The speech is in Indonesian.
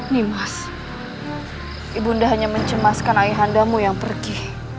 nimas ibunda hanya mencemaskan ayahandamu yang pergi